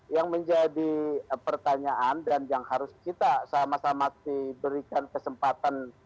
yang menjadi pertanyaan dan yang harus kita sama sama diberikan kesempatan